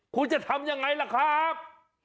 คุณจะทำยังไงล่ะครับ